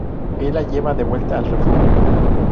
Él la lleva de vuelta al refugio.